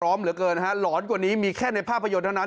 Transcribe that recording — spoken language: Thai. พี่กัสพร้อมเหลือเกินฮะหลอนกว่านี้มีแค่ในภาพยนตร์เท่านั้น